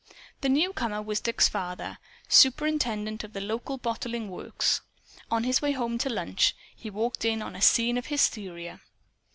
The newcomer was Dick's father, superintendent of the local bottling works. On his way home to lunch, he walked in on a scene of hysteria.